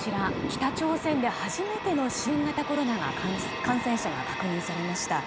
北朝鮮で初めての新型コロナの感染者が確認されました。